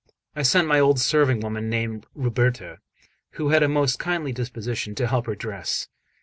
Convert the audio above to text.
I sent my old serving woman, named Ruberta, who had a most kindly disposition, to help her dress.